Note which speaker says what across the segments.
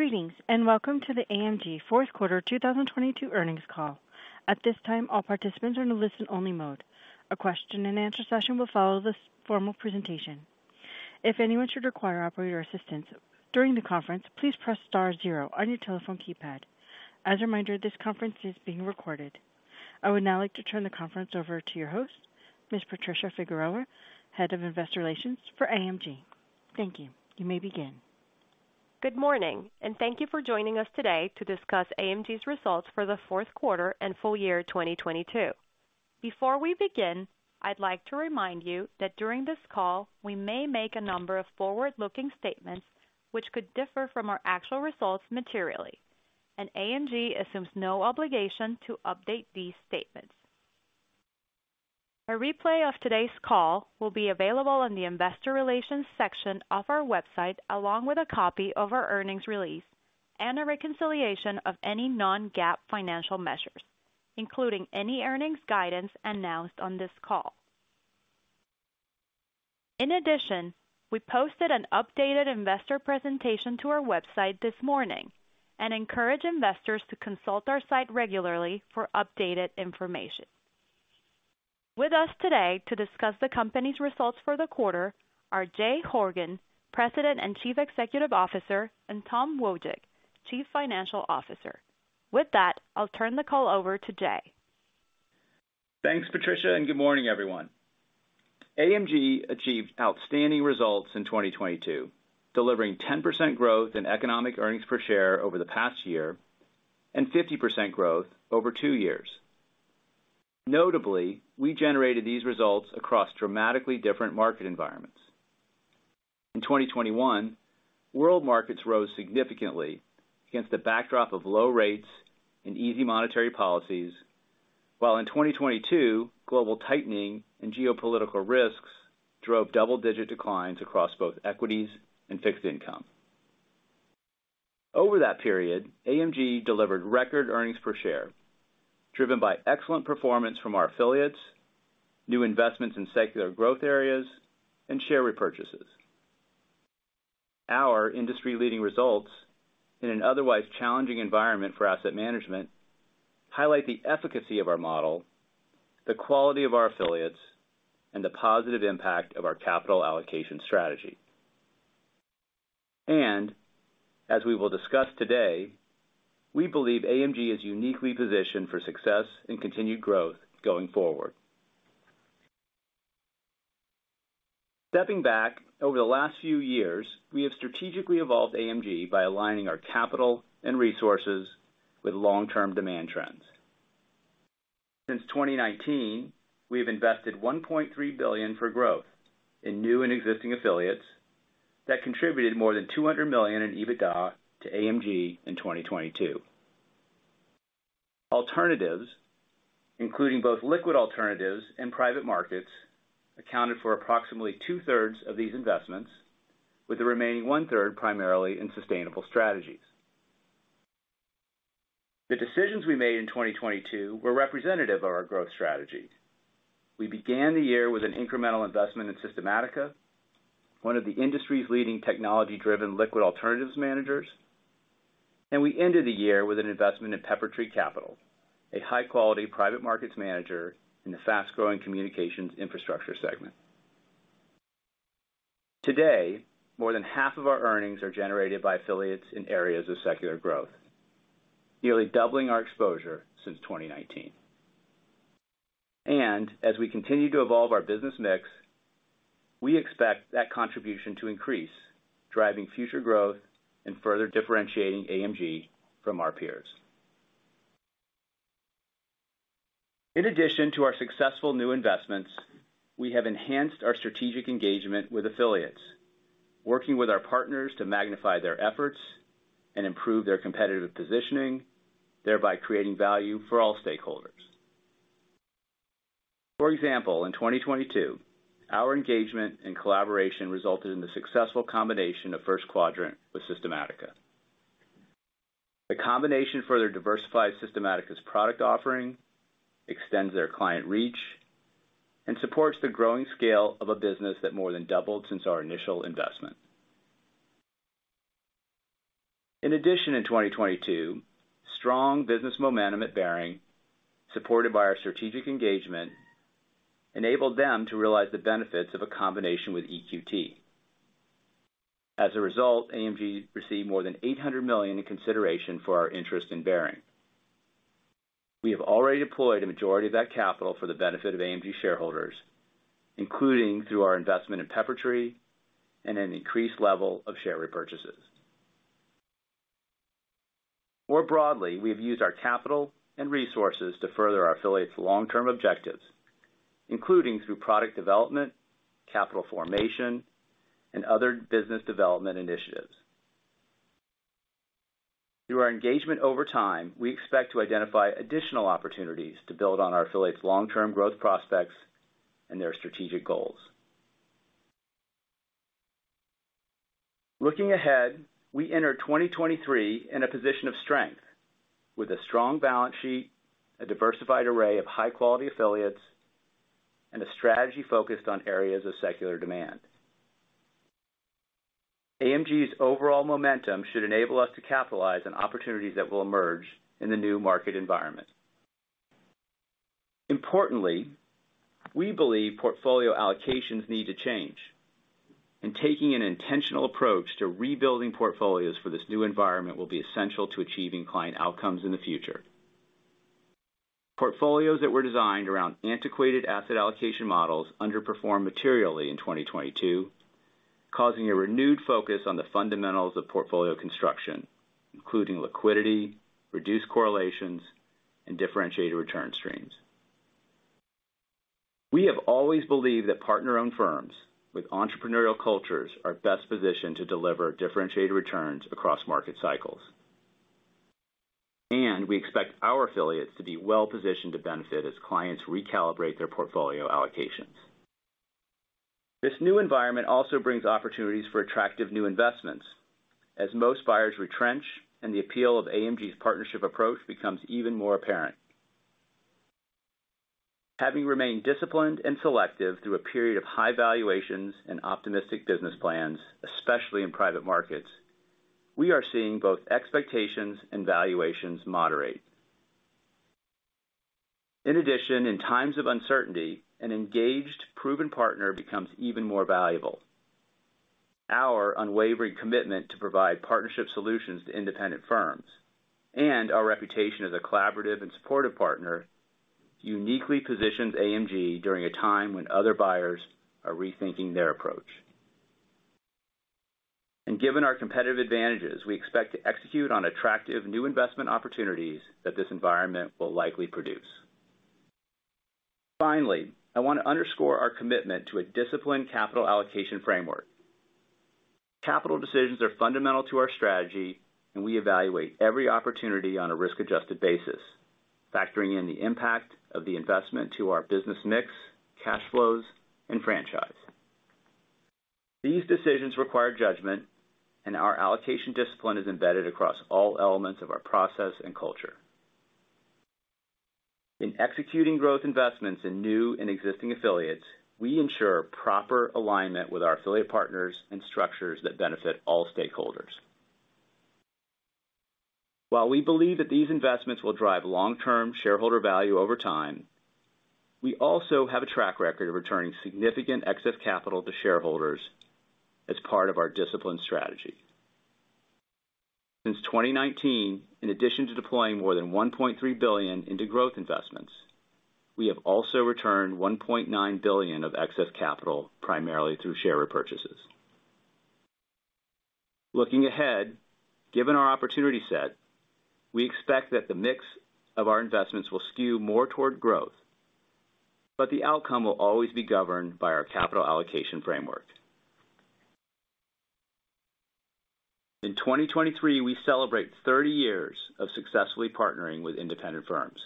Speaker 1: Greetings, welcome to the AMG Fourth Quarter 2022 Earnings Call. At this time, all participants are in a listen-only mode. A question and answer session will follow this formal presentation. If anyone should require operator assistance during the conference, please press star zero on your telephone keypad. As a reminder, this conference is being recorded. I would now like to turn the conference over to your host, Ms. Patricia Figueroa, Head of Investor Relations for AMG. Thank you. You may begin.
Speaker 2: Good morning. Thank you for joining us today to discuss AMG's results for the fourth quarter and full year 2022. Before we begin, I'd like to remind you that during this call, we may make a number of forward-looking statements which could differ from our actual results materially. AMG assumes no obligation to update these statements. A replay of today's call will be available in the investor relations section of our website, along with a copy of our earnings release and a reconciliation of any non-GAAP financial measures, including any earnings guidance announced on this call. In addition, we posted an updated investor presentation to our website this morning and encourage investors to consult our site regularly for updated information. With us today to discuss the company's results for the quarter are Jay Horgen, President and Chief Executive Officer, and Tom Wojcik, Chief Financial Officer. With that, I'll turn the call over to Jay.
Speaker 3: Thanks, Patricia. Good morning, everyone. AMG achieved outstanding results in 2022, delivering 10% growth in economic earnings per share over the past year and 50% growth over two years. Notably, we generated these results across dramatically different market environments. In 2021, world markets rose significantly against the backdrop of low rates and easy monetary policies, while in 2022, global tightening and geopolitical risks drove double-digit declines across both equities and fixed income. Over that period, AMG delivered record earnings per share, driven by excellent performance from our affiliates, new investments in secular growth areas, and share repurchases. Our industry-leading results in an otherwise challenging environment for asset management highlight the efficacy of our model, the quality of our affiliates, and the positive impact of our capital allocation strategy. As we will discuss today, we believe AMG is uniquely positioned for success and continued growth going forward. Stepping back, over the last few years, we have strategically evolved AMG by aligning our capital and resources with long-term demand trends. Since 2019, we have invested $1.3 billion for growth in new and existing affiliates that contributed more than $200 million in EBITDA to AMG in 2022. Alternatives, including both liquid alternatives and private markets, accounted for approximately 2/3 of these investments, with the remaining 1/3 primarily in sustainable strategies. The decisions we made in 2022 were representative of our growth strategy. We began the year with an incremental investment in Systematica, one of the industry's leading technology-driven liquid alternatives managers, and we ended the year with an investment in Peppertree Capital, a high-quality private markets manager in the fast-growing communications infrastructure segment. Today, more than half of our earnings are generated by affiliates in areas of secular growth, nearly doubling our exposure since 2019. As we continue to evolve our business mix, we expect that contribution to increase, driving future growth and further differentiating AMG from our peers. In addition to our successful new investments, we have enhanced our strategic engagement with affiliates, working with our partners to magnify their efforts and improve their competitive positioning, thereby creating value for all stakeholders. For example, in 2022, our engagement and collaboration resulted in the successful combination of First Quadrant with Systematica. The combination further diversified Systematica's product offering, extends their client reach, and supports the growing scale of a business that more than doubled since our initial investment. In addition, in 2022, strong business momentum at Baring, supported by our strategic engagement, enabled them to realize the benefits of a combination with EQT. As a result, AMG received more than $800 million in consideration for our interest in Baring. We have already deployed a majority of that capital for the benefit of AMG shareholders, including through our investment in Peppertree and an increased level of share repurchases. More broadly, we have used our capital and resources to further our affiliates' long-term objectives, including through product development, capital formation, and other business development initiatives. Through our engagement over time, we expect to identify additional opportunities to build on our affiliates' long-term growth prospects and their strategic goals. Looking ahead, we enter 2023 in a position of strength with a strong balance sheet, a diversified array of high-quality affiliates. A strategy focused on areas of secular demand. AMG's overall momentum should enable us to capitalize on opportunities that will emerge in the new market environment. Importantly, we believe portfolio allocations need to change, and taking an intentional approach to rebuilding portfolios for this new environment will be essential to achieving client outcomes in the future. Portfolios that were designed around antiquated asset allocation models underperformed materially in 2022, causing a renewed focus on the fundamentals of portfolio construction, including liquidity, reduced correlations, and differentiated return streams. We have always believed that partner-owned firms with entrepreneurial cultures are best positioned to deliver differentiated returns across market cycles. We expect our affiliates to be well-positioned to benefit as clients recalibrate their portfolio allocations. This new environment also brings opportunities for attractive new investments as most buyers retrench and the appeal of AMG's partnership approach becomes even more apparent. Having remained disciplined and selective through a period of high valuations and optimistic business plans, especially in private markets, we are seeing both expectations and valuations moderate. In addition, in times of uncertainty, an engaged, proven partner becomes even more valuable. Our unwavering commitment to provide partnership solutions to independent firms and our reputation as a collaborative and supportive partner uniquely positions AMG during a time when other buyers are rethinking their approach. Given our competitive advantages, we expect to execute on attractive new investment opportunities that this environment will likely produce. Finally, I want to underscore our commitment to a disciplined capital allocation framework. Capital decisions are fundamental to our strategy, and we evaluate every opportunity on a risk-adjusted basis, factoring in the impact of the investment to our business mix, cash flows, and franchise. These decisions require judgment. Our allocation discipline is embedded across all elements of our process and culture. In executing growth investments in new and existing affiliates, we ensure proper alignment with our affiliate partners and structures that benefit all stakeholders. While we believe that these investments will drive long-term shareholder value over time, we also have a track record of returning significant excess capital to shareholders as part of our disciplined strategy. Since 2019, in addition to deploying more than $1.3 billion into growth investments, we have also returned $1.9 billion of excess capital, primarily through share repurchases. Looking ahead, given our opportunity set, we expect that the mix of our investments will skew more toward growth. The outcome will always be governed by our capital allocation framework. In 2023, we celebrate 30 years of successfully partnering with independent firms.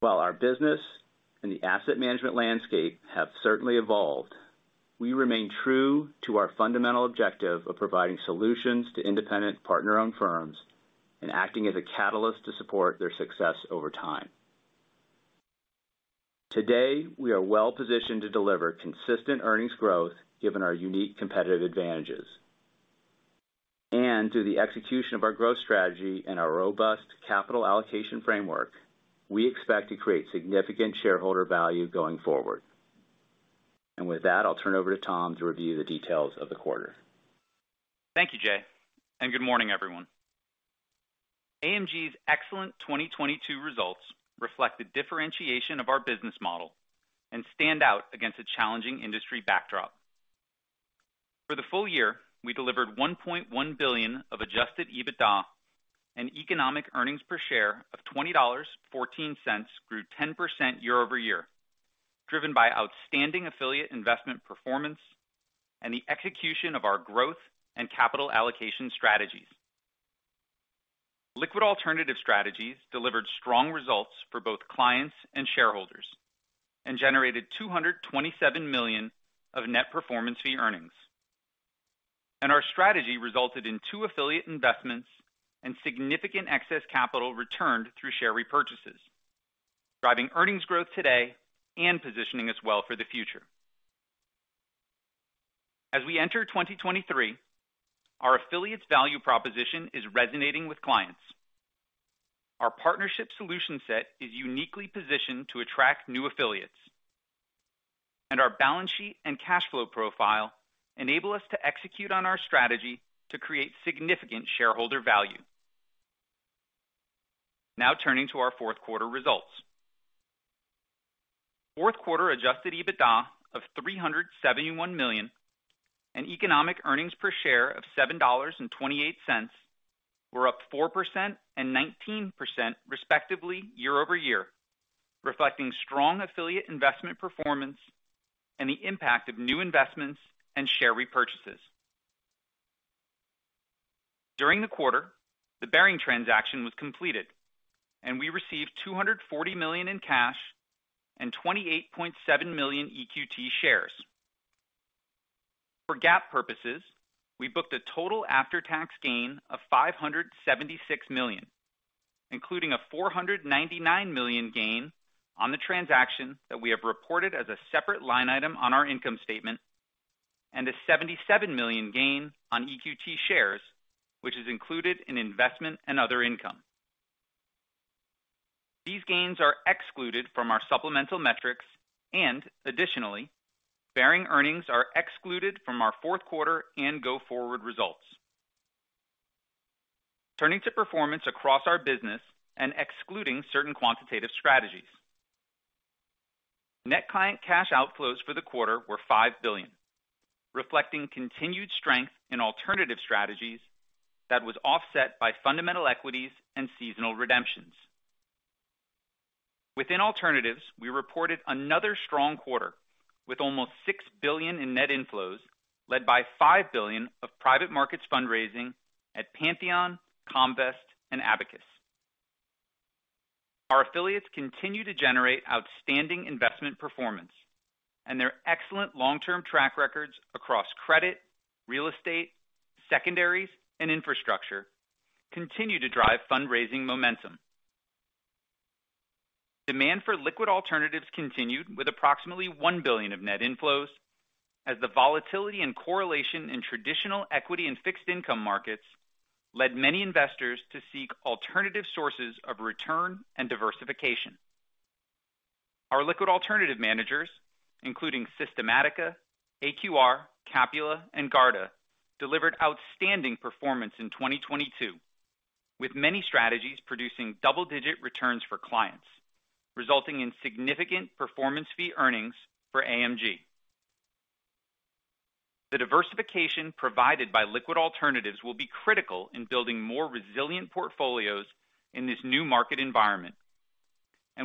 Speaker 3: While our business and the asset management landscape have certainly evolved, we remain true to our fundamental objective of providing solutions to independent partner-owned firms and acting as a catalyst to support their success over time. Today, we are well-positioned to deliver consistent earnings growth given our unique competitive advantages. Through the execution of our growth strategy and our robust capital allocation framework, we expect to create significant shareholder value going forward. With that, I'll turn over to Tom to review the details of the quarter.
Speaker 4: Thank you, Jay, and good morning, everyone. AMG's excellent 2022 results reflect the differentiation of our business model and stand out against a challenging industry backdrop. For the full year, we delivered $1.1 billion of Adjusted EBITDA and Economic Earnings per share of $20.14 grew 10% year-over-year, driven by outstanding affiliate investment performance and the execution of our growth and capital allocation strategies. Liquid alternative strategies delivered strong results for both clients and shareholders and generated $227 million of net performance fee earnings. Our strategy resulted in two affiliate investments and significant excess capital returned through share repurchases, driving earnings growth today and positioning us well for the future. As we enter 2023, our affiliates value proposition is resonating with clients. Our partnership solution set is uniquely positioned to attract new affiliates. Our balance sheet and cash flow profile enable us to execute on our strategy to create significant shareholder value. Turning to our fourth quarter results. Fourth quarter Adjusted EBITDA of $371 million and Economic Earnings per share of $7.28 were up 4% and 19% respectively year-over-year, reflecting strong affiliate investment performance and the impact of new investments and share repurchases. During the quarter, the Baring transaction was completed, and we received $240 million in cash and 28.7 million EQT shares. For GAAP purposes, we booked a total after-tax gain of $576 million, including a $499 million gain on the transaction that we have reported as a separate line item on our income statement and a $77 million gain on EQT shares, which is included in investment and other income. Additionally, Baring Earnings are excluded from our fourth quarter and go-forward results. Turning to performance across our business and excluding certain quantitative strategies. Net client cash outflows for the quarter were $5 billion, reflecting continued strength in alternative strategies that was offset by fundamental equities and seasonal redemptions. Within alternatives, we reported another strong quarter with almost $6 billion in net inflows, led by $5 billion of private markets fundraising at Pantheon, Comvest and Abacus. Our affiliates continue to generate outstanding investment performance and their excellent long-term track records across credit, real estate, secondaries and infrastructure continue to drive fundraising momentum. Demand for liquid alternatives continued with approximately $1 billion of net inflows as the volatility and correlation in traditional equity and fixed income markets led many investors to seek alternative sources of return and diversification. Our liquid alternative managers, including Systematica, AQR, Capula and Garda, delivered outstanding performance in 2022, with many strategies producing double-digit returns for clients, resulting in significant performance fee earnings for AMG. The diversification provided by liquid alternatives will be critical in building more resilient portfolios in this new market environment.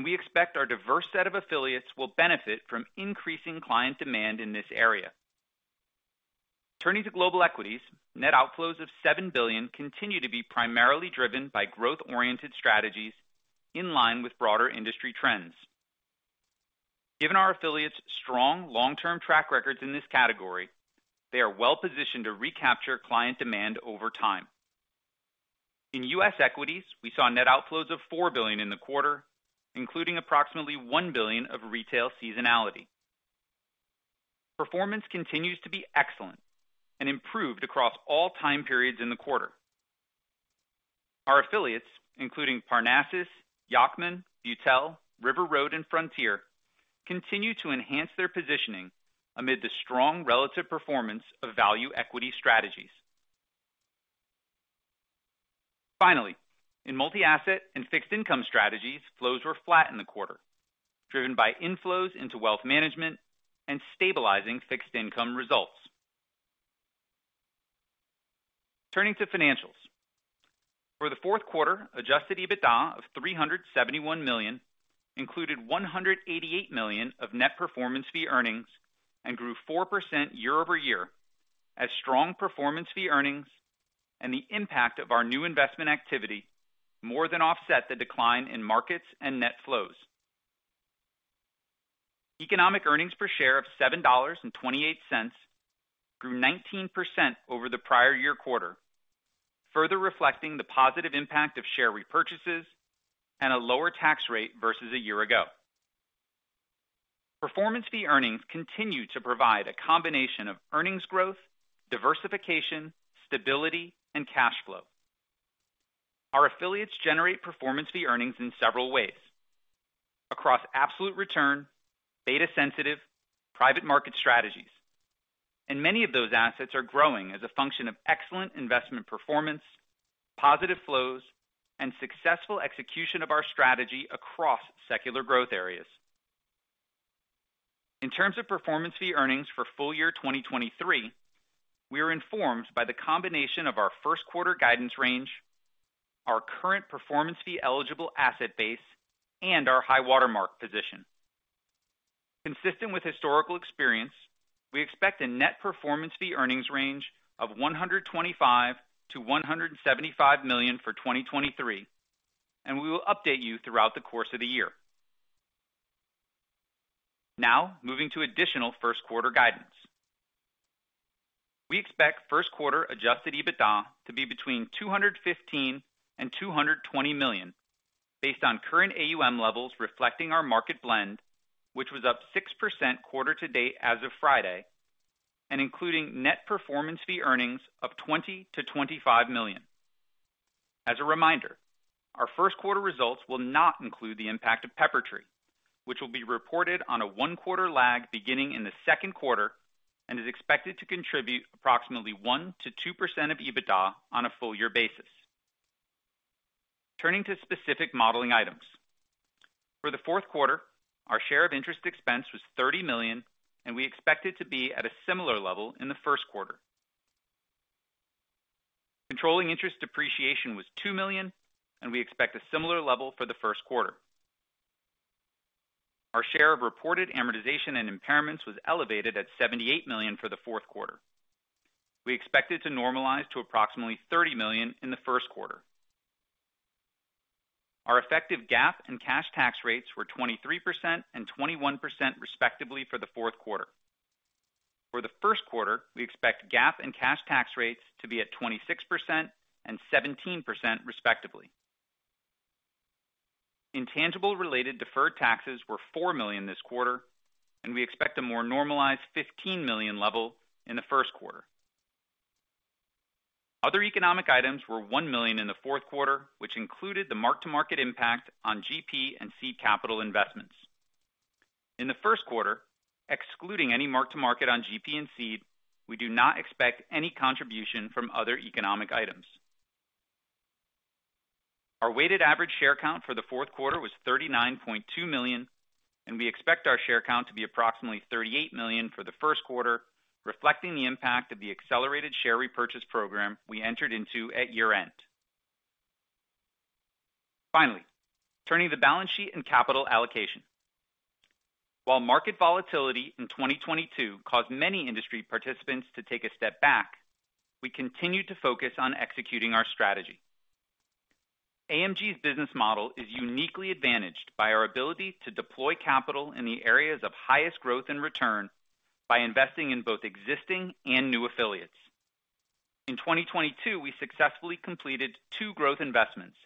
Speaker 4: We expect our diverse set of affiliates will benefit from increasing client demand in this area. Turning to global equities, net outflows of $7 billion continue to be primarily driven by growth oriented strategies in line with broader industry trends. Given our affiliates strong long term track records in this category, they are well positioned to recapture client demand over time. In U.S. equities, we saw net outflows of $4 billion in the quarter, including approximately $1 billion of retail seasonality. Performance continues to be excellent and improved across all time periods in the quarter. Our affiliates, including Parnassus, Yacktman, Beutel, River Road and Frontier, continue to enhance their positioning amid the strong relative performance of value equity strategies. In multi-asset and fixed income strategies, flows were flat in the quarter, driven by inflows into wealth management and stabilizing fixed income results. Turning to financials. For the fourth quarter, Adjusted EBITDA of $371 million included $188 million of net performance fee earnings and grew 4% year-over-year as strong performance fee earnings and the impact of our new investment activity more than offset the decline in markets and net flows. Economic earnings per share of $7.28 grew 19% over the prior year quarter, further reflecting the positive impact of share repurchases and a lower tax rate versus a year ago. Performance fee earnings continue to provide a combination of earnings growth, diversification, stability, and cash flow. Our affiliates generate performance fee earnings in several ways across absolute return, beta sensitive, private market strategies, many of those assets are growing as a function of excellent investment performance, positive flows, and successful execution of our strategy across secular growth areas. In terms of performance fee earnings for full year 2023, we are informed by the combination of our first quarter guidance range, our current performance fee eligible asset base, and our high-water mark position. Consistent with historical experience, we expect a net performance fee earnings range of $125 million-$175 million for 2023, we will update you throughout the course of the year. Moving to additional first quarter guidance. We expect first quarter Adjusted EBITDA to be between $215 million and $220 million based on current AUM levels reflecting our market blend, which was up 6% quarter to date as of Friday, and including net performance fee earnings of $20 million-$25 million. As a reminder, our first quarter results will not include the impact of Peppertree, which will be reported on a one quarter lag beginning in the second quarter and is expected to contribute approximately 1%-2% of EBITDA on a full year basis. Turning to specific modeling items. For the fourth quarter, our share of interest expense was $30 million, and we expect it to be at a similar level in the first quarter. Controlling interest depreciation was $2 million, and we expect a similar level for the first quarter. Our share of reported amortization and impairments was elevated at $78 million for the fourth quarter. We expect it to normalize to approximately $30 million in the first quarter. Our effective GAAP and cash tax rates were 23% and 21% respectively for the fourth quarter. For the first quarter, we expect GAAP and cash tax rates to be at 26% and 17% respectively. Intangible related deferred taxes were $4 million this quarter, and we expect a more normalized $15 million level in the first quarter. Other economic items were $1 million in the fourth quarter, which included the mark-to-market impact on GP and seed capital investments. In the first quarter, excluding any mark-to-market on GP and seed, we do not expect any contribution from other economic items. Our weighted average share count for the fourth quarter was 39.2 million. We expect our share count to be approximately 38 million for the first quarter, reflecting the impact of the accelerated share repurchase program we entered into at year-end. Finally, turning to the balance sheet and capital allocation. While market volatility in 2022 caused many industry participants to take a step back, we continued to focus on executing our strategy. AMG's business model is uniquely advantaged by our ability to deploy capital in the areas of highest growth and return by investing in both existing and new affiliates. In 2022, we successfully completed two growth investments,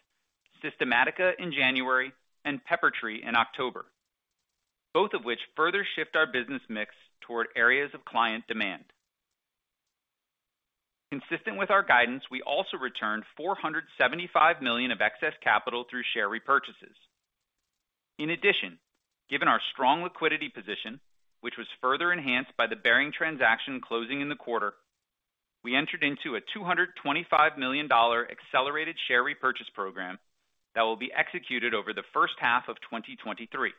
Speaker 4: Systematica in January and Peppertree in October, both of which further shift our business mix toward areas of client demand. Consistent with our guidance, we also returned $475 million of excess capital through share repurchases. In addition, given our strong liquidity position, which was further enhanced by the Baring transaction closing in the quarter, we entered into a $225 million accelerated share repurchase program that will be executed over the first half of 2023.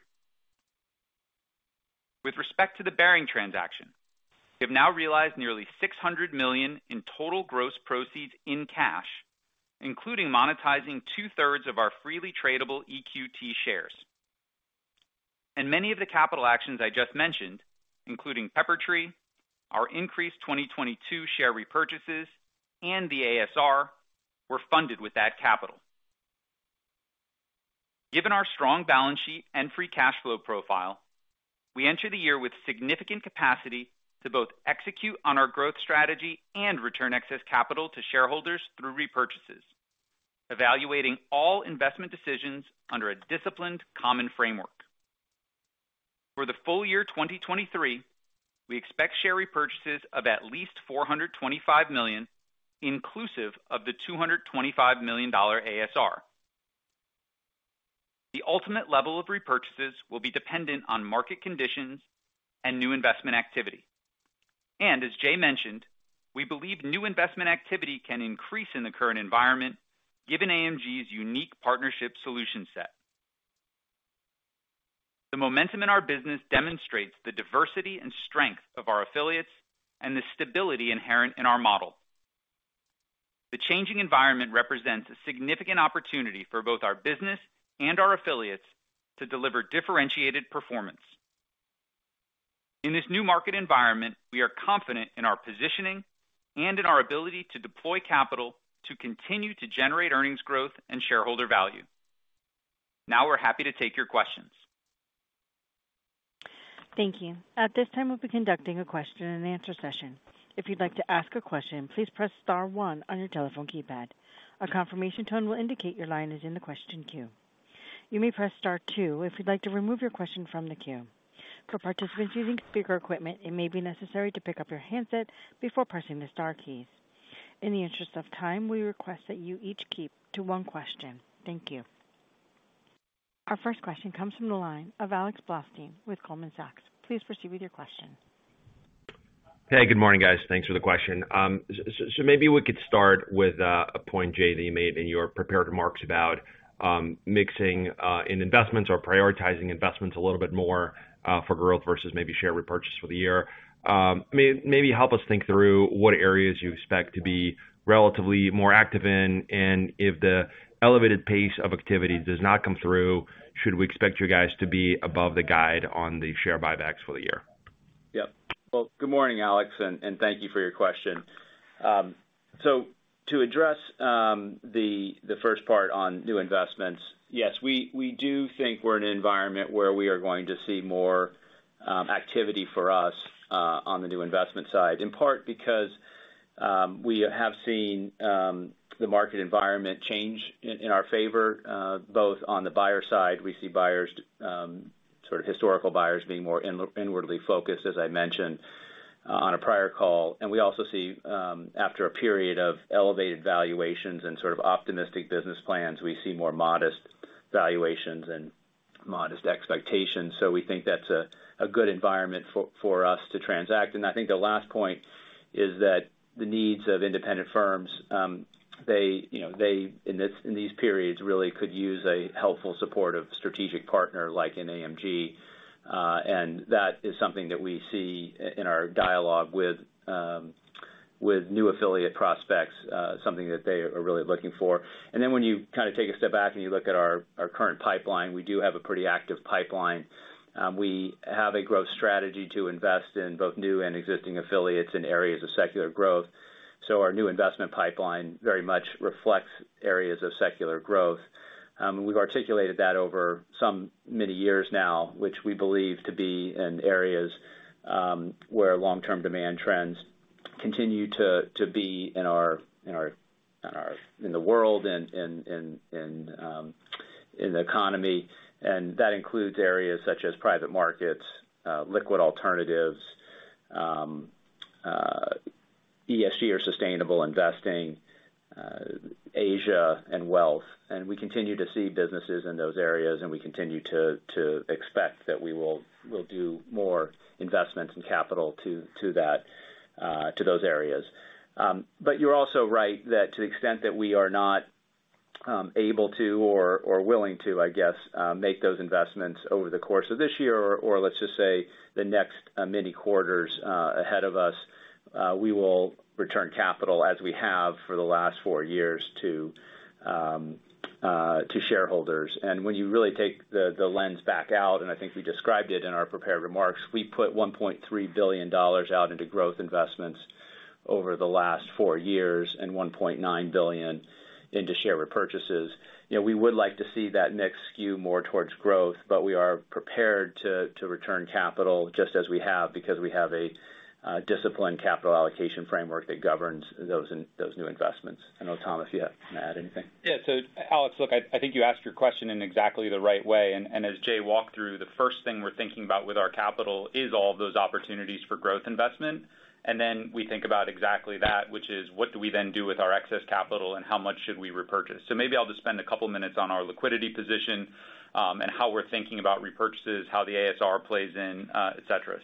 Speaker 4: With respect to the Baring Transaction, we have now realized nearly $600 million in total gross proceeds in cash, including monetizing 2/3 of our freely tradable EQT shares. Many of the capital actions I just mentioned, including Peppertree, our increased 2022 share repurchases, and the ASR, were funded with that capital. Given our strong balance sheet and free cash flow profile, we enter the year with significant capacity to both execute on our growth strategy and return excess capital to shareholders through repurchases, evaluating all investment decisions under a disciplined common framework. For the full year 2023, we expect share repurchases of at least $425 million, inclusive of the $225 million ASR. The ultimate level of repurchases will be dependent on market conditions and new investment activity. As Jay mentioned, we believe new investment activity can increase in the current environment given AMG's unique partnership solution set. The momentum in our business demonstrates the diversity and strength of our affiliates and the stability inherent in our model. The changing environment represents a significant opportunity for both our business and our affiliates to deliver differentiated performance. In this new market environment, we are confident in our positioning and in our ability to deploy capital to continue to generate earnings growth and shareholder value. Now we're happy to take your questions.
Speaker 1: Thank you. At this time, we'll be conducting a question and answer session. If you'd like to ask a question, please press star one on your telephone keypad. A confirmation tone will indicate your line is in the question queue. You may press star two if you'd like to remove your question from the queue. For participants using speaker equipment, it may be necessary to pick up your handset before pressing the star keys. In the interest of time, we request that you each keep to one question. Thank you. Our first question comes from the line of Alexander Blostein with Goldman Sachs. Please proceed with your question.
Speaker 5: Hey, good morning, guys. Thanks for the question. Maybe we could start with a point, Jay, that you made in your prepared remarks about mixing in investments or prioritizing investments a little bit more for growth versus maybe share repurchase for the year. Maybe help us think through what areas you expect to be relatively more active in, and if the elevated pace of activity does not come through, should we expect you guys to be above the guide on the share buybacks for the year?
Speaker 3: Yep. Well, good morning, Alex, and thank you for your question. To address the first part on new investments, yes, we do think we're in an environment where we are going to see more activity for us on the new investment side, in part because we have seen the market environment change in our favor, both on the buyer side. We see buyers, sort of historical buyers being more inwardly focused, as I mentioned, on a prior call. We also see after a period of elevated valuations and sort of optimistic business plans, we see more modest valuations and modest expectations. We think that's a good environment for us to transact. I think the last point is that the needs of independent firms, they, you know, they, in these periods, really could use a helpful support of strategic partner like an AMG, and that is something that we see in our dialogue with. With new affiliate prospects, something that they are really looking for. When you kind of take a step back and you look at our current pipeline, we do have a pretty active pipeline. We have a growth strategy to invest in both new and existing affiliates in areas of secular growth. Our new investment pipeline very much reflects areas of secular growth. We've articulated that over some many years now, which we believe to be in areas where long-term demand trends continue to be in the world and in the economy. That includes areas such as private markets, liquid alternatives, ESG or sustainable investing, Asia and wealth. We continue to see businesses in those areas, we continue to expect that we'll do more investments and capital to that, to those areas. You're also right that to the extent that we are not, able to or willing to, I guess, make those investments over the course of this year, or let's just say the next, many quarters, ahead of us, we will return capital as we have for the last four years to shareholders. When you really take the lens back out, I think we described it in our prepared remarks, we put $1.3 billion out into growth investments over the last four years and $1.9 billion into share repurchases. You know, we would like to see that mix skew more towards growth, but we are prepared to return capital just as we have because we have a disciplined capital allocation framework that governs those new investments. I know, Tom, if you have to add anything.
Speaker 4: Yeah. Alex, look, I think you asked your question in exactly the right way. As Jay walked through, the first thing we're thinking about with our capital is all of those opportunities for growth investment. Then we think about exactly that, which is what do we then do with our excess capital, and how much should we repurchase? Maybe I'll just spend a couple minutes on our liquidity position, and how we're thinking about repurchases, how the ASR plays in, et cetera.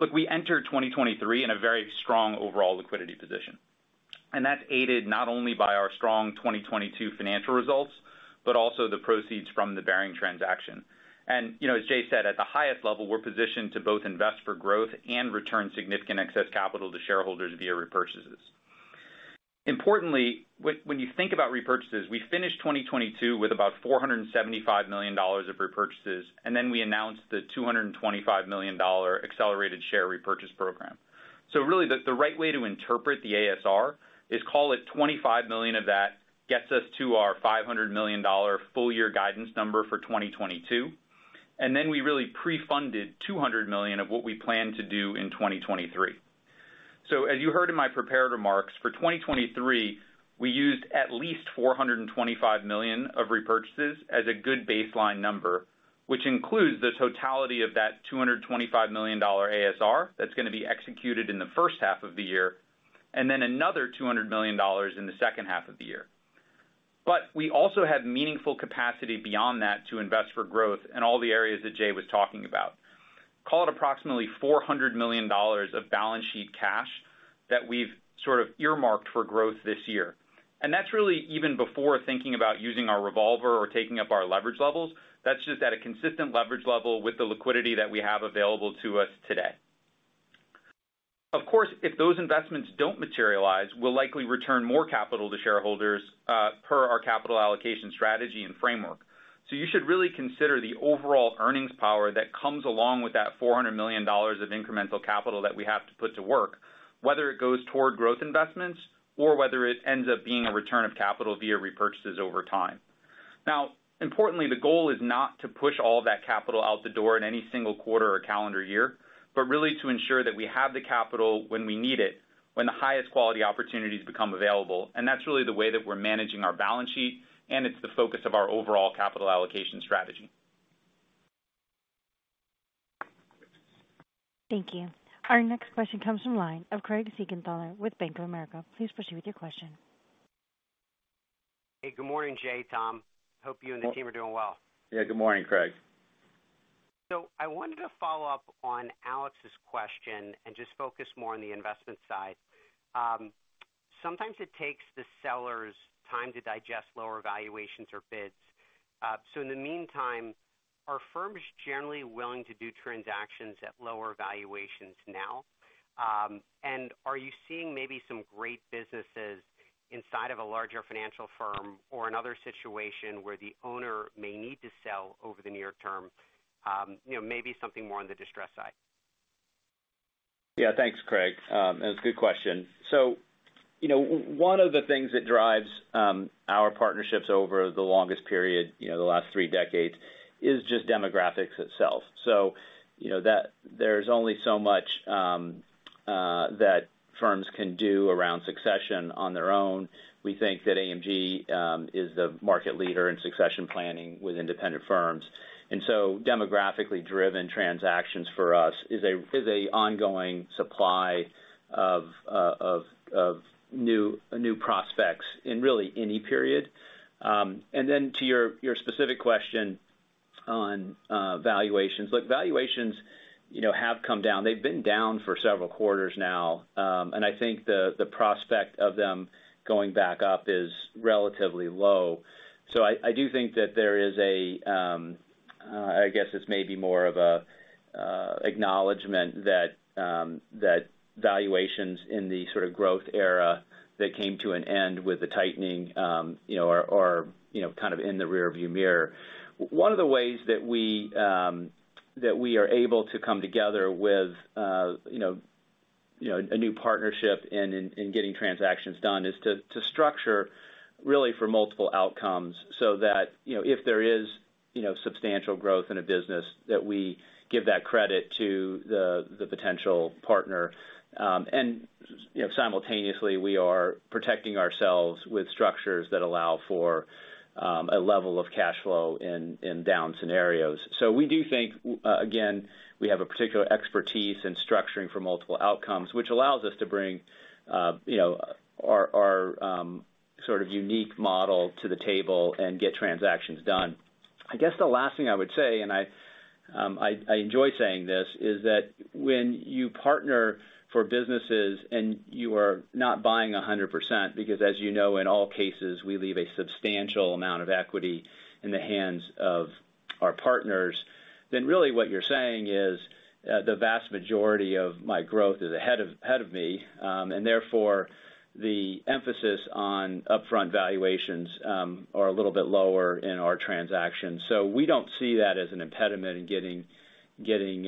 Speaker 4: Look, we entered 2023 in a very strong overall liquidity position, and that's aided not only by our strong 2022 financial results, but also the proceeds from the Baring transaction. You know, as Jay said, at the highest level, we're positioned to both invest for growth and return significant excess capital to shareholders via repurchases. Importantly, when you think about repurchases, we finished 2022 with about $475 million of repurchases. Then we announced the $225 million accelerated share repurchase program. Really the right way to interpret the ASR is call it $25 million of that gets us to our $500 million full year guidance number for 2022. Then we really pre-funded $200 million of what we plan to do in 2023. As you heard in my prepared remarks, for 2023, we used at least $425 million of repurchases as a good baseline number, which includes the totality of that $225 million ASR that's gonna be executed in the first half of the year, and then another $200 million in the second half of the year. We also have meaningful capacity beyond that to invest for growth in all the areas that Jay was talking about. Call it approximately $400 million of balance sheet cash that we've sort of earmarked for growth this year. That's really even before thinking about using our revolver or taking up our leverage levels. That's just at a consistent leverage level with the liquidity that we have available to us today. Of course, if those investments don't materialize, we'll likely return more capital to shareholders, per our capital allocation strategy and framework. You should really consider the overall earnings power that comes along with that $400 million of incremental capital that we have to put to work, whether it goes toward growth investments or whether it ends up being a return of capital via repurchases over time. Importantly, the goal is not to push all that capital out the door in any single quarter or calendar year, but really to ensure that we have the capital when we need it, when the highest quality opportunities become available. That's really the way that we're managing our balance sheet, and it's the focus of our overall capital allocation strategy.
Speaker 1: Thank you. Our next question comes from line of Craig Siegenthaler with Bank of America. Please proceed with your question.
Speaker 6: Hey, good morning, Jay, Tom. Hope you and the team are doing well.
Speaker 3: Yeah, good morning, Craig.
Speaker 6: I wanted to follow up on Alex's question and just focus more on the investment side. Sometimes it takes the sellers time to digest lower valuations or bids. In the meantime, are firms generally willing to do transactions at lower valuations now? Are you seeing maybe some great businesses inside of a larger financial firm or another situation where the owner may need to sell over the near term, you know, maybe something more on the distressed side?
Speaker 3: Yeah. Thanks, Craig. That's a good question. You know, one of the things that drives our partnerships over the longest period, you know, the last three decades, is just demographics itself. You know, that there's only so much that firms can do around succession on their own. We think that AMG is the market leader in succession planning with independent firms. Demographically driven transactions for us is an ongoing supply of new prospects in really any period. Then to your specific question on valuations. Look, valuations, you know, have come down. They've been down for several quarters now. I think the prospect of them going back up is relatively low. I do think that there is a, I guess it's maybe more of a acknowledgment that valuations in the sort of growth era that came to an end with the tightening, you know, are, you know, kind of in the rearview mirror. One of the ways that we, that we are able to come together with, you know, you know, a new partnership and getting transactions done is to structure really for multiple outcomes so that, you know, if there is, you know, substantial growth in a business that we give that credit to the potential partner. You know, simultaneously, we are protecting ourselves with structures that allow for a level of cash flow in down scenarios. We do think, again, we have a particular expertise in structuring for multiple outcomes, which allows us to bring, you know, our sort of unique model to the table and get transactions done. I guess the last thing I would say, and I enjoy saying this, is that when you partner for businesses and you are not buying 100%, because as you know, in all cases, we leave a substantial amount of equity in the hands of our partners, then really what you're saying is, the vast majority of my growth is ahead of me, and therefore, the emphasis on upfront valuations are a little bit lower in our transactions. We don't see that as an impediment in getting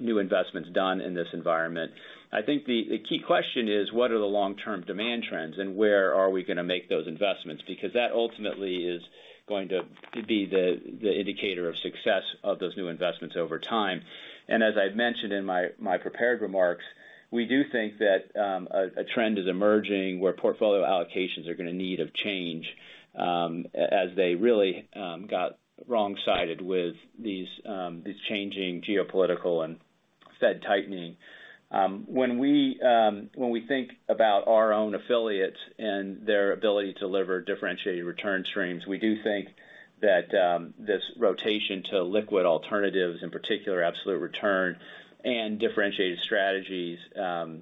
Speaker 3: new investments done in this environment. I think the key question is, what are the long-term demand trends and where are we gonna make those investments? Because that ultimately is going to be the indicator of success of those new investments over time. As I've mentioned in my prepared remarks, we do think that a trend is emerging where portfolio allocations are gonna need of change, as they really got wrong sided with these changing geopolitical and Fed tightening. When we think about our own affiliates and their ability to deliver differentiated return streams, we do think that this rotation to liquid alternatives, in particular absolute return and differentiated strategies, you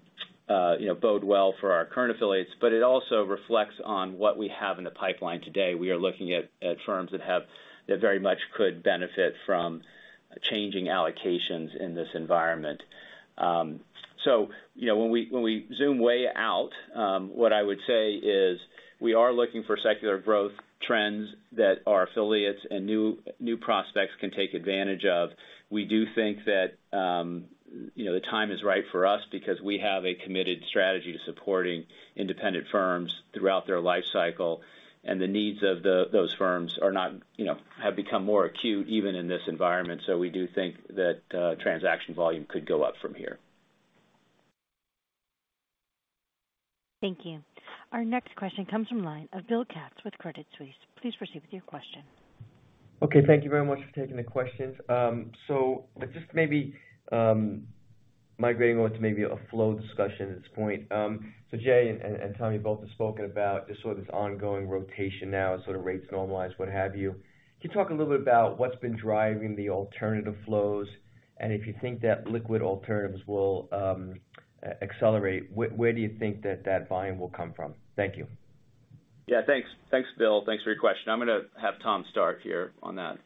Speaker 3: know, bode well for our current affiliates, but it also reflects on what we have in the pipeline today. We are looking at firms that have... that very much could benefit from changing allocations in this environment. You know, when we zoom way out, what I would say is we are looking for secular growth trends that our affiliates and new prospects can take advantage of. We do think that, you know, the time is right for us because we have a committed strategy to supporting independent firms throughout their lifecycle, and the needs of those firms are not, you know, have become more acute even in this environment. We do think that transaction volume could go up from here.
Speaker 1: Thank you. Our next question comes from line of William Katz with Credit Suisse. Please proceed with your question.
Speaker 7: Okay. Thank you very much for taking the questions. With this maybe, migrating on to maybe a flow discussion at this point. Jay and Tom, you both have spoken about just sort of this ongoing rotation now as sort of rates normalize, what have you. Can you talk a little bit about what's been driving the alternative flows, and if you think that liquid alternatives will accelerate, where do you think that volume will come from? Thank you.
Speaker 3: Yeah, thanks. Thanks, Bill. Thanks for your question. I'm gonna have Tom start here on that.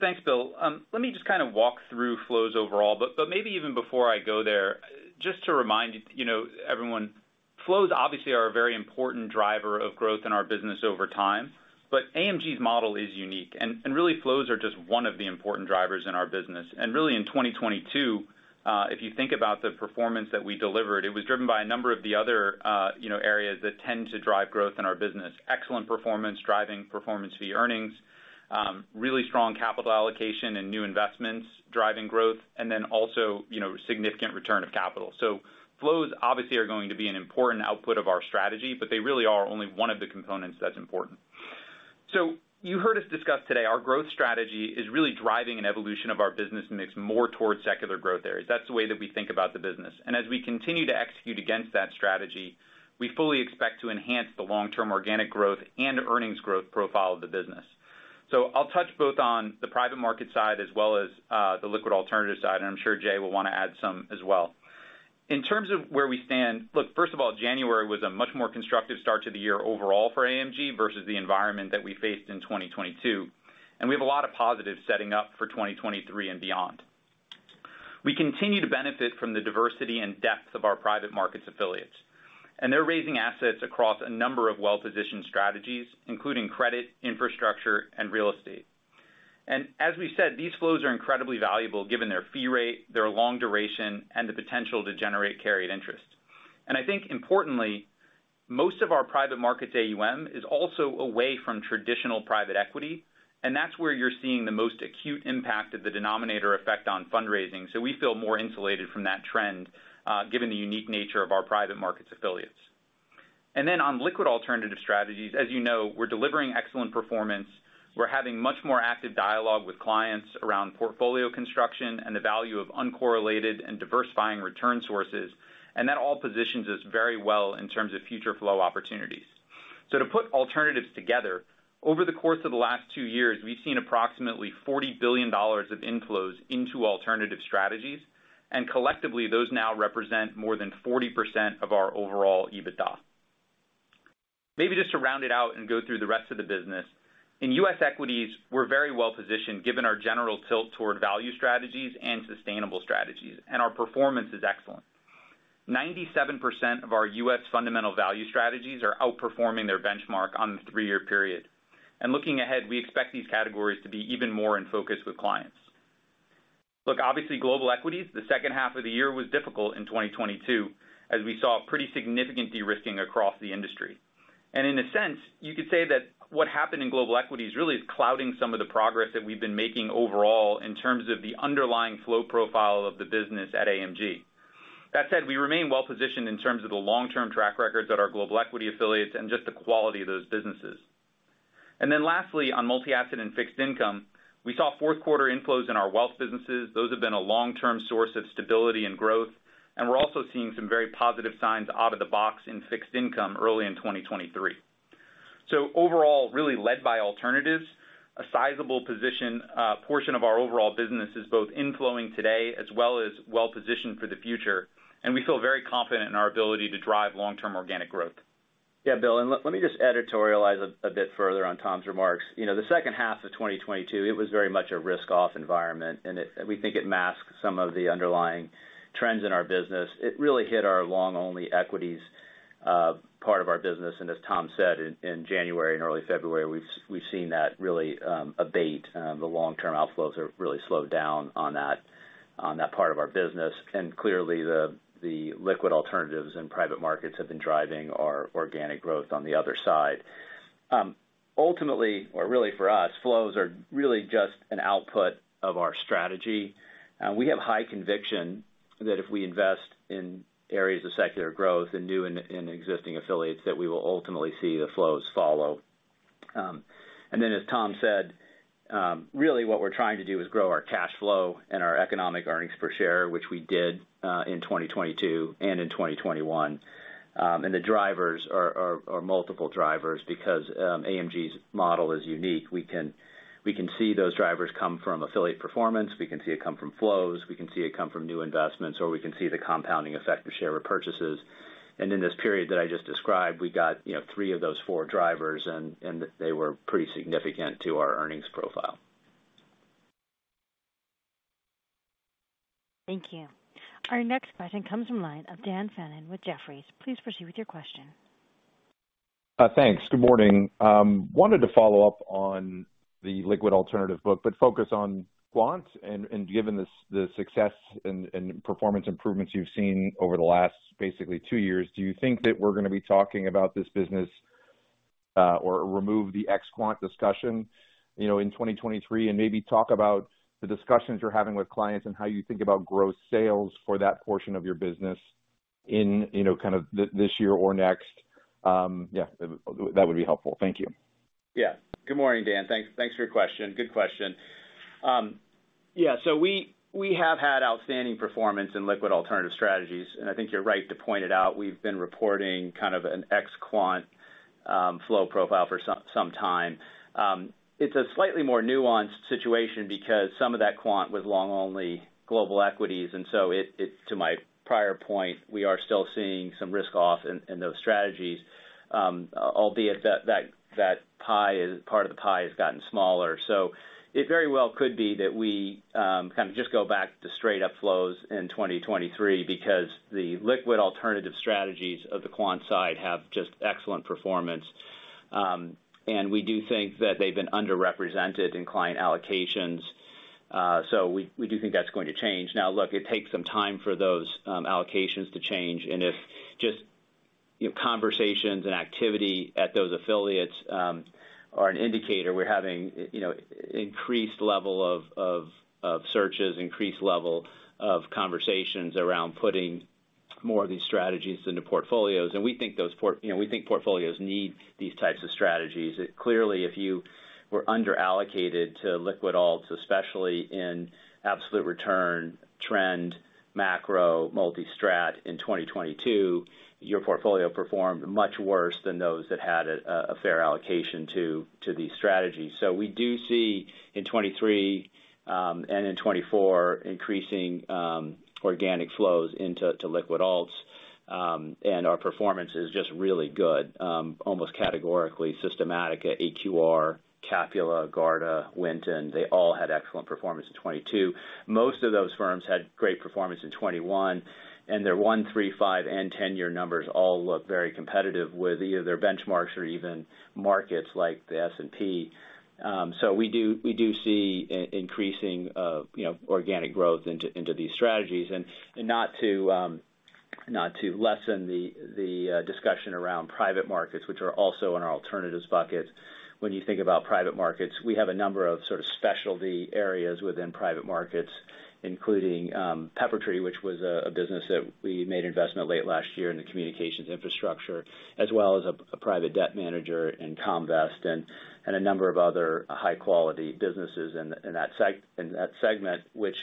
Speaker 4: Thanks, Bill. Let me just kinda walk through flows overall, but maybe even before I go there, just to remind, you know, everyone, flows obviously are a very important driver of growth in our business over time. AMG's model is unique, and really flows are just one of the important drivers in our business. Really in 2022, if you think about the performance that we delivered, it was driven by a number of the other, you know, areas that tend to drive growth in our business. Excellent performance, driving performance fee earnings, really strong capital allocation and new investments driving growth, and then also, you know, significant return of capital. Flows obviously are going to be an important output of our strategy, but they really are only one of the components that's important. You heard us discuss today our growth strategy is really driving an evolution of our business mix more towards secular growth areas. That's the way that we think about the business. As we continue to execute against that strategy, we fully expect to enhance the long-term organic growth and earnings growth profile of the business. I'll touch both on the private market side as well as the liquid alternative side, and I'm sure Jay will wanna add some as well. In terms of where we stand, look, first of all, January was a much more constructive start to the year overall for AMG versus the environment that we faced in 2022, and we have a lot of positives setting up for 2023 and beyond. We continue to benefit from the diversity and depth of our private markets affiliates, they're raising assets across a number of well-positioned strategies, including credit, infrastructure, and real estate. As we said, these flows are incredibly valuable given their fee rate, their long duration, and the potential to generate carried interest. I think importantly, most of our private markets AUM is also away from traditional private equity, and that's where you're seeing the most acute impact of the denominator effect on fundraising. We feel more insulated from that trend, given the unique nature of our private markets affiliates. On liquid alternative strategies, as you know, we're delivering excellent performance. We're having much more active dialogue with clients around portfolio construction and the value of uncorrelated and diversifying return sources, and that all positions us very well in terms of future flow opportunities. To put alternatives together, over the course of the last two years, we've seen approximately $40 billion of inflows into alternative strategies, and collectively, those now represent more than 40% of our overall EBITDA. Maybe just to round it out and go through the rest of the business. In U.S. equities, we're very well-positioned given our general tilt toward value strategies and sustainable strategies, and our performance is excellent. 97% of our U.S. fundamental value strategies are outperforming their benchmark on the three year period. Looking ahead, we expect these categories to be even more in focus with clients. Look, obviously, global equities, the second half of the year was difficult in 2022 as we saw pretty significant de-risking across the industry. In a sense, you could say that what happened in global equities really is clouding some of the progress that we've been making overall in terms of the underlying flow profile of the business at AMG. That said, we remain well-positioned in terms of the long-term track records at our global equity affiliates and just the quality of those businesses. Lastly, on multi-asset and fixed income, we saw fourth quarter inflows in our wealth businesses. Those have been a long-term source of stability and growth, and we're also seeing some very positive signs out of the box in fixed income early in 2023. Overall, really led by alternatives, a sizable position, portion of our overall business is both inflowing today as well as well-positioned for the future, and we feel very confident in our ability to drive long-term organic growth.
Speaker 3: Yeah, Bill, let me just editorialize a bit further on Tom's remarks. You know, the second half of 2022, it was very much a risk off environment. We think it masked some of the underlying trends in our business. It really hit our long-only equities part of our business. As Tom said, in January and early February, we've seen that really abate. The long-term outflows have really slowed down on that part of our business. Clearly, the liquid alternatives and private markets have been driving our organic growth on the other side. Ultimately, or really for us, flows are really just an output of our strategy. We have high conviction that if we invest in areas of secular growth in new and existing affiliates, that we will ultimately see the flows follow. As Tom said, really what we're trying to do is grow our cash flow and our economic earnings per share, which we did in 2022 and in 2021. And the drivers are multiple drivers because AMG's model is unique. We can see those drivers come from affiliate performance, we can see it come from flows, we can see it come from new investments, or we can see the compounding effect of share repurchases. In this period that I just described, we got, you know, three of those four drivers, and they were pretty significant to our earnings profile.
Speaker 1: Thank you. Our next question comes from line of Daniel Fannon with Jefferies. Please proceed with your question.
Speaker 8: Thanks. Good morning. Wanted to follow up on the liquid alternative book, but focus on quants. Given the success and performance improvements you've seen over the last basically two years, do you think that we're gonna be talking about this business, or remove the ex quant discussion, you know, in 2023? Maybe talk about the discussions you're having with clients and how you think about growth sales for that portion of your business in, you know, kind of this year or next. Yeah, that would be helpful. Thank you.
Speaker 3: Yeah. Good morning, Dan. Thanks for your question. Good question. Yeah, we have had outstanding performance in liquid alternative strategies. I think you're right to point it out. We've been reporting kind of an ex quant flow profile for some time. It's a slightly more nuanced situation because some of that quant was long-only global equities, to my prior point, we are still seeing some risk-off in those strategies, albeit that part of the pie has gotten smaller. It very well could be that we kind of just go back to straight up flows in 2023 because the liquid alternative strategies of the quant side have just excellent performance. We do think that they've been underrepresented in client allocations. We, we do think that's going to change. Now, look, it takes some time for those allocations to change, and if just, you know, conversations and activity at those affiliates are an indicator, we're having, you know, increased level of searches, increased level of conversations around putting more of these strategies into portfolios. We think those, you know, we think portfolios need these types of strategies. Clearly, if you were underallocated to liquid alts, especially in absolute return, trend, macro, multi-strat in 2022, your portfolio performed much worse than those that had a fair allocation to these strategies. We do see in 2023 and in 2024, increasing organic flows into liquid alts, and our performance is just really good almost categorically. Systematica at AQR, Capula, Garda, Winton, they all had excellent performance in 2022. Most of those firms had great performance in 2021, and their one, three, five, and 10-year numbers all look very competitive with either their benchmarks or even markets like the S&P. We do see increasing, you know, organic growth into these strategies. Not to lessen the discussion around private markets, which are also in our alternatives buckets. When you think about private markets, we have a number of sort of specialty areas within private markets, including, Peppertree, which was a business that we made investment late last year in the communications infrastructure, as well as a private debt manager in Comvest and a number of other high-quality businesses in that segment, which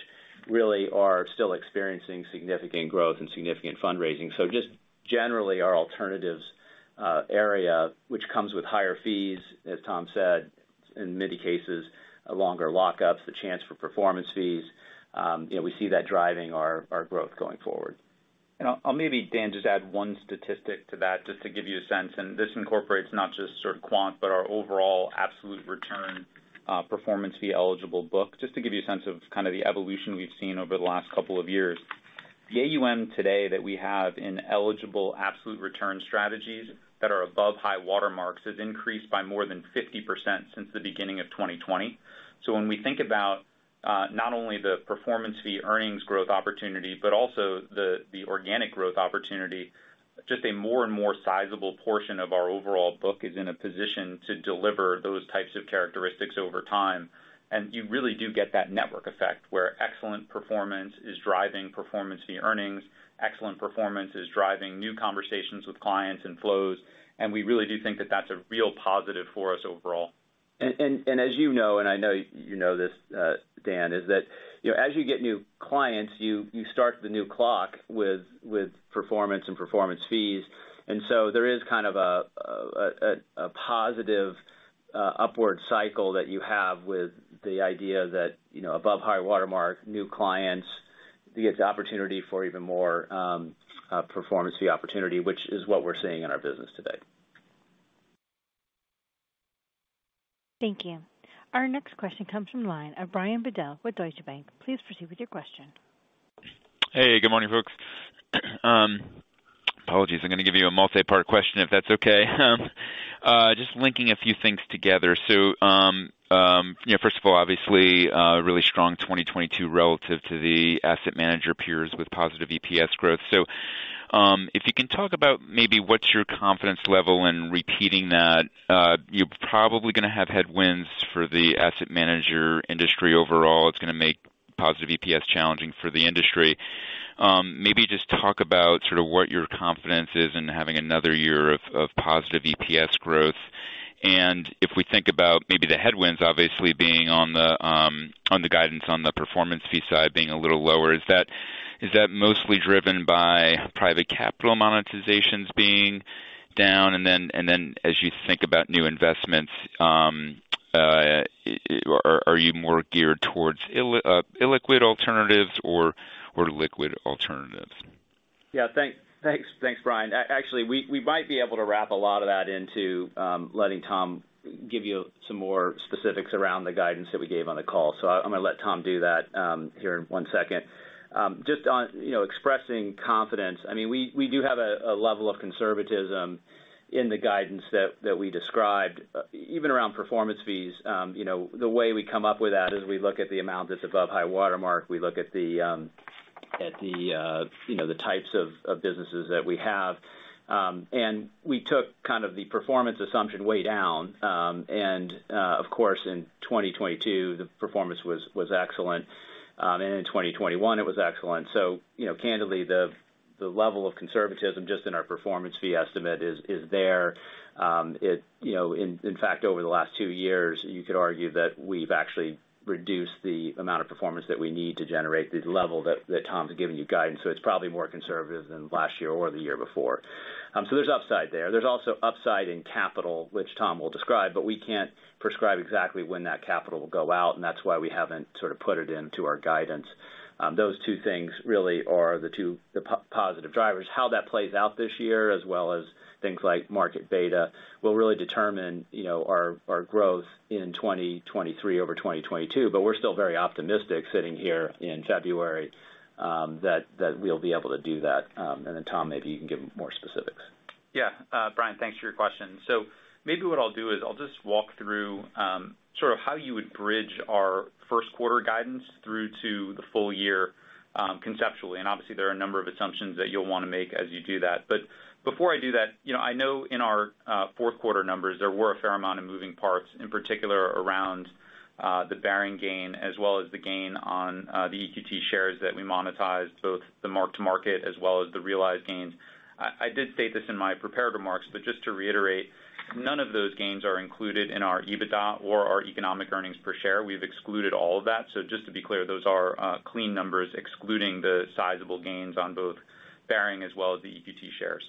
Speaker 3: really are still experiencing significant growth and significant fundraising. Just generally, our alternatives, area, which comes with higher fees, as Tom said, in many cases, longer lockups, the chance for performance fees, you know, we see that driving our growth going forward.
Speaker 4: I'll maybe, Dan, just add one statistic to that just to give you a sense, and this incorporates not just sort of quant but our overall absolute return, performance fee eligible book. Just to give you a sense of kind of the evolution we've seen over the last couple of years. The AUM today that we have in eligible absolute return strategies that are above high-water marks has increased by more than 50% since the beginning of 2020. When we think about, not only the performance fee earnings growth opportunity, but also the organic growth opportunity, just a more and more sizable portion of our overall book is in a position to deliver those types of characteristics over time. You really do get that network effect, where excellent performance is driving performance fee earnings, excellent performance is driving new conversations with clients and flows, and we really do think that that's a real positive for us overall.
Speaker 3: As you know, and I know you know this, Dan, is that, you know, as you get new clients, you start the new clock with performance and performance fees. There is kind of a positive upward cycle that you have with the idea that, you know, above high-water mark, new clients, it's the opportunity for even more performance fee opportunity, which is what we're seeing in our business today.
Speaker 1: Thank you. Our next question comes from the line of Brian Bedell with Deutsche Bank. Please proceed with your question.
Speaker 9: Hey, good morning, folks. Apologies, I'm gonna give you a multi-part question, if that's okay. Just linking a few things together. You know, first of all, obviously, really strong 2022 relative to the asset manager peers with positive EPS growth. If you can talk about maybe what's your confidence level in repeating that. You're probably gonna have headwinds for the asset manager industry overall. It's gonna make positive EPS challenging for the industry. Maybe just talk about sort of what your confidence is in having another year of positive EPS growth. If we think about maybe the headwinds obviously being on the guidance on the performance fee side being a little lower, is that mostly driven by private capital monetizations being down? As you think about new investments, are you more geared towards illiquid alternatives or liquid alternatives?
Speaker 3: Yeah. Thanks. Thanks, Brian. Actually, we might be able to wrap a lot of that into letting Tom give you some more specifics around the guidance that we gave on the call. I'm gonna let Tom do that here in one second. Just on, you know, expressing confidence, I mean, we do have a level of conservatism in the guidance that we described, even around performance fees. You know, the way we come up with that is we look at the amount that's above high-water mark. We look at the types of businesses that we have. We took kind of the performance assumption way down. Of course, in 2022, the performance was excellent. In 2021, it was excellent. You know, candidly, the level of conservatism just in our performance fee estimate is there. You know, in fact, over the last two years, you could argue that we've actually reduced the amount of performance that we need to generate the level that Tom's giving you guidance. It's probably more conservative than last year or the year before. There's upside there. There's also upside in capital, which Tom will describe, but we can't prescribe exactly when that capital will go out, and that's why we haven't sort of put it into our guidance. Those two things really are the two positive drivers. How that plays out this year as well as things like market beta will really determine, you know, our growth in 2023 over 2022. We're still very optimistic sitting here in February, that we'll be able to do that. Then, Tom, maybe you can give them more specifics.
Speaker 4: Yeah. Brian, thanks for your question. Maybe what I'll do is I'll just walk through, sort of how you would bridge our first quarter guidance through to the full year, conceptually. Obviously there are a number of assumptions that you'll wanna make as you do that. Before I do that, you know, I know in our fourth quarter numbers, there were a fair amount of moving parts, in particular around the Baring gain as well as the gain on the EQT shares that we monetized, both the mark-to-market as well as the realized gains. I did state this in my prepared remarks, but just to reiterate, none of those gains are included in our EBITDA or our Economic Earnings per share. We've excluded all of that. Just to be clear, those are clean numbers excluding the sizable gains on both Baring as well as the EQT shares.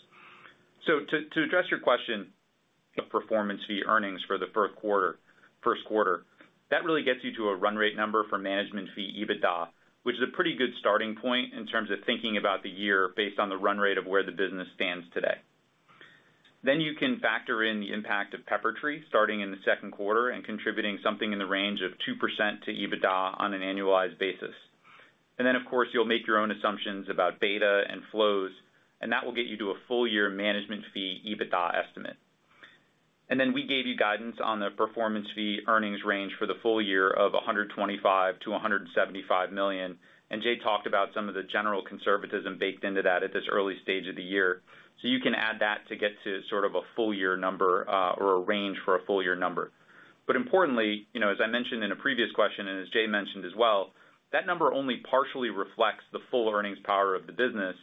Speaker 4: To address your question, the performance fee earnings for the first quarter, that really gets you to a run rate number for management fee EBITDA, which is a pretty good starting point in terms of thinking about the year based on the run rate of where the business stands today. You can factor in the impact of Peppertree starting in the second quarter and contributing something in the range of 2% to EBITDA on an annualized basis. Of course, you'll make your own assumptions about beta and flows, and that will get you to a full year management fee EBITDA estimate. We gave you guidance on the performance fee earnings range for the full year of $125 million-$175 million, and Jay talked about some of the general conservatism baked into that at this early stage of the year. You can add that to get to sort of a full year number, or a range for a full year number. Importantly, you know, as I mentioned in a previous question and as Jay mentioned as well, that number only partially reflects the full earnings power of the business,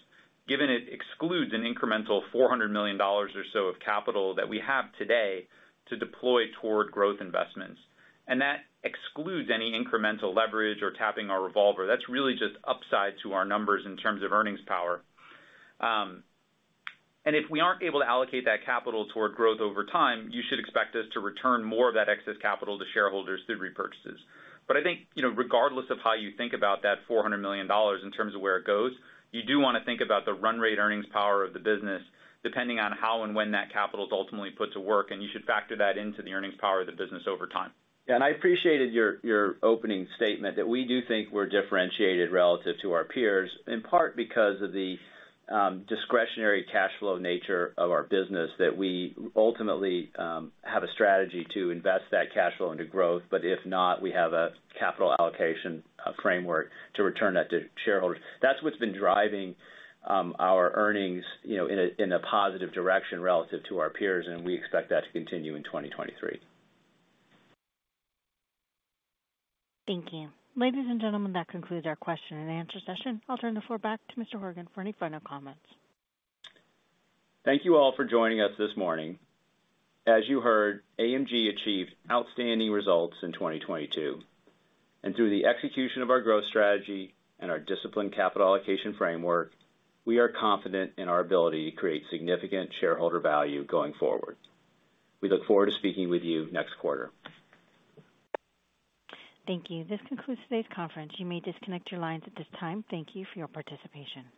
Speaker 4: given it excludes an incremental $400 million or so of capital that we have today to deploy toward growth investments. That excludes any incremental leverage or tapping our revolver. That's really just upside to our numbers in terms of earnings power. If we aren't able to allocate that capital toward growth over time, you should expect us to return more of that excess capital to shareholders through repurchases. I think, you know, regardless of how you think about that $400 million in terms of where it goes, you do wanna think about the run rate earnings power of the business depending on how and when that capital is ultimately put to work, and you should factor that into the earnings power of the business over time.
Speaker 3: I appreciated your opening statement that we do think we're differentiated relative to our peers, in part because of the discretionary cash flow nature of our business, that we ultimately have a strategy to invest that cash flow into growth. If not, we have a capital allocation framework to return that to shareholders. That's what's been driving our earnings, you know, in a positive direction relative to our peers, and we expect that to continue in 2023.
Speaker 1: Thank you. Ladies and gentlemen, that concludes our question and answer session. I'll turn the floor back to Mr. Horgen for any final comments.
Speaker 3: Thank you all for joining us this morning. As you heard, AMG achieved outstanding results in 2022. Through the execution of our growth strategy and our disciplined capital allocation framework, we are confident in our ability to create significant shareholder value going forward. We look forward to speaking with you next quarter.
Speaker 1: Thank you. This concludes today's conference. You may disconnect your lines at this time. Thank you for your participation.